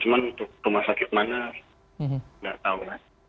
cuman untuk rumah sakit mana nggak tahu